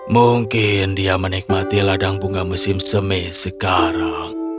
mungkin dia menikmati ladang bunga musim semi sekarang